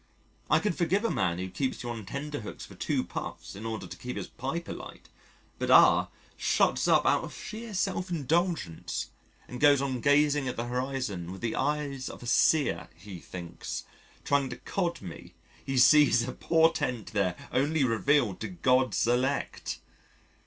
I could forgive a man who keeps you on tenterhooks for two puffs in order to keep his pipe alight, but R shuts up out of sheer self indulgence and goes on gazing at the horizon with the eyes of a seer (he thinks) trying to cod me he sees a portent there only revealed to God's elect.